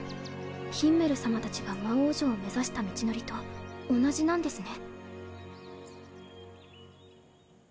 ヒンメル様たちが魔王城を目指した道のりと同じなんですね。